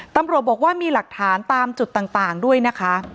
ตำรวจบอกว่ามีหลักฐานตามจุดต่างด้วยนะคะ